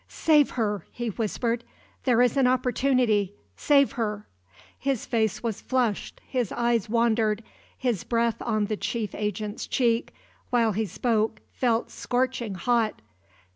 "Save her," he whispered; "there is an opportunity save her!" His face was flushed his eyes wandered his breath on the chief agent's cheek, while he spoke, felt scorching hot.